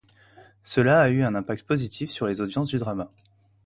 Cela a eu un impact positif sur les audiences du drama.